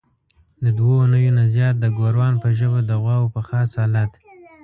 د دوو اونیو نه زیات د ګوروان په ژبه د غواوو په خاص الت.